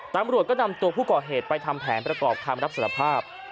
ตำรวจก็นำตัวผู้ก่อเหตุไปทำแผนประกอบคำรับสารภาพ